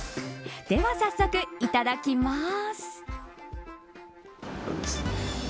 では、早速いただきます。